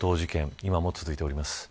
今も続いております。